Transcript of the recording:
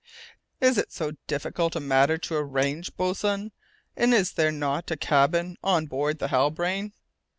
"Is it so difficult a matter to arrange, boatswain, and is there not a cabin on board the Halbrane?